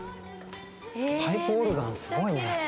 パイプオルガンすごいね。